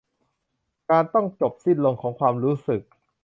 การต้องจบสิ้นลงของความรู้สึก